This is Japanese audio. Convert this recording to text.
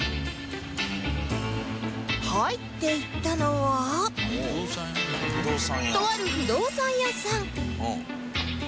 入っていったのはとある不動産屋さん